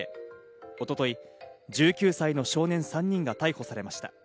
一昨日、１９歳の少年３人が逮捕されました。